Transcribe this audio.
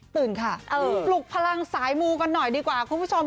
ตื่นค่ะปลุกพลังสายมูกันหน่อยดีกว่าคุณผู้ชม